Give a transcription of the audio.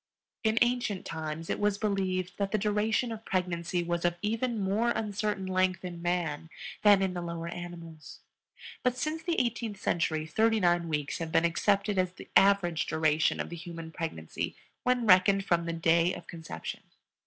In ancient times it was believed that the duration of pregnancy was of even more uncertain length in man than in the lower animals; but since the eighteenth century thirty nine weeks have been accepted as the average duration of the human pregnancy when reckoned from the day of conception.